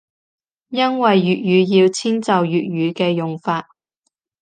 因為粵語要遷就粵語嘅用法